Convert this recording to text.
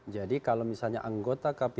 jadi kalau misalnya anggota kpu belum terpilih sampai